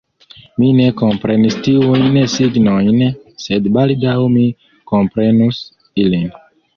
Mi ne komprenis tiujn signojn, sed baldaŭ mi komprenus ilin.